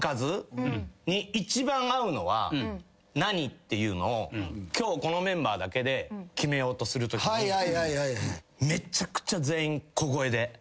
っていうのを今日このメンバーだけで決めようとするときにめちゃくちゃ。